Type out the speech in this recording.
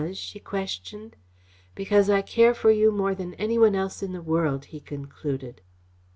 she questioned. "Because I care for you more than any one else in the world," he concluded.